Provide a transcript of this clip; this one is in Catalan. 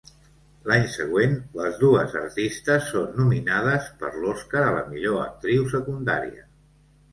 L'any següent, les dues artistes són nominades per l'Oscar a la millor actriu secundària.